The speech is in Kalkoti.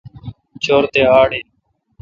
چو°ر تے آڑ این۔